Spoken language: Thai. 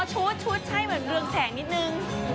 ชุดใช่เหมือนเรืองแสงนิดนึง